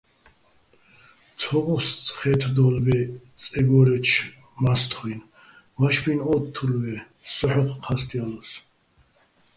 ცო ღოსხე́თდო́ლ ვაჲ წეგო́რეჩო̆ მა́სთხუჲნ, ვაშბინ ო́თთულ ვაჲ, სო ჰ̦ოხ ჴასტალოსო̆.